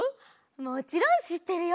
もちろんしってるよ。